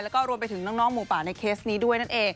แล้วก็รวมไปถึงน้องหมูป่าในเคสนี้ด้วยนั่นเอง